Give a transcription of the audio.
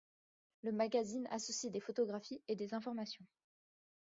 Le magazine associe des photographies et informations.